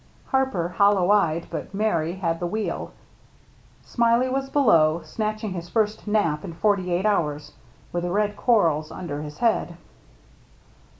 Harper, hollow eyed, but merry, had the wheel; Smiley was below, snatching his first nap in forty eight hours, with the red corals under his head.